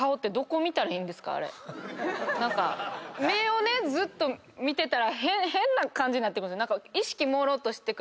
目をねずっと見てたら変な感じになってくる。